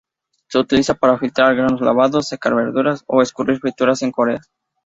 Se utiliza para filtrar granos lavados, secar verduras, o escurrir frituras en Corea.